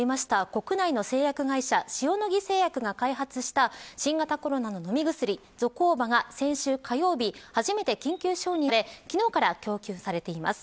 国内の製薬会社塩野義製薬が開発した新型コロナ飲み薬、ゾコーバが先週火曜日、初めて緊急承認され昨日から供給されています。